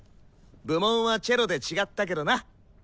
部門はチェロで違ったけどな。